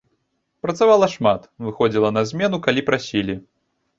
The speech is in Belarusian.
Працавала шмат, выходзіла на змену, калі прасілі.